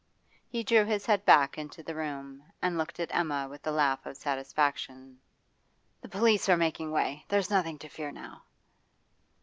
He drew his bead back into the room and looked at Emma with a laugh of satisfaction. 'The police are making way! There's nothing to fear now.